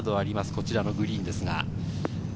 こちらのグリーンです。